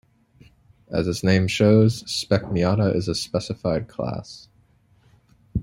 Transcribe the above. As its name shows, Spec Miata is a "specified" class.